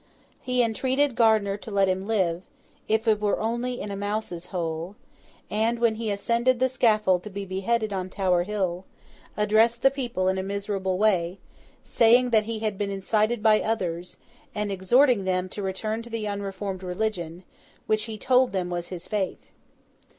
He entreated Gardiner to let him live, if it were only in a mouse's hole; and, when he ascended the scaffold to be beheaded on Tower Hill, addressed the people in a miserable way, saying that he had been incited by others, and exhorting them to return to the unreformed religion, which he told them was his faith.